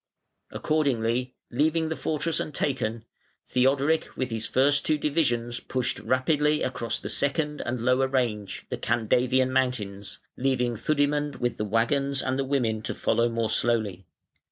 Accordingly, leaving the fortress untaken, Theodoric with his two first divisions pushed rapidly across the second and lower range, the Candavian Mountains, leaving Theudimund with the waggons and the women to follow more slowly.